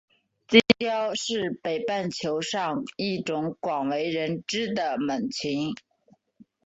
金雕是北半球上一种广为人知的猛禽。